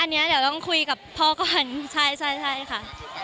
อันนี้เดี๋ยวต้องคุยกับพ่อก่อนใช่ใช่ค่ะ